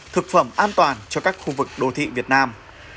thực phẩm an toàn cho các khu vực đô thị việt nam